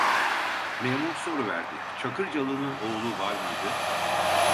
Memur soruverdi: "Çakırcalı’nın oğlu var mıydı?"